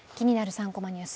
３コマニュース」